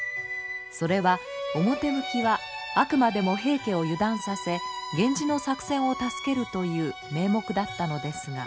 それは表向きはあくまでも平家を油断させ源氏の作戦を助けるという名目だったのですが。